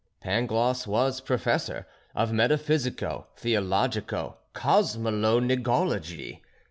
Pangloss was professor of metaphysico theologico cosmolo nigology.